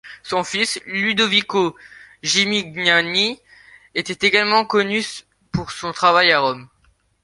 Son fils Ludovico Gimignani est également connu pour son travail à Rome.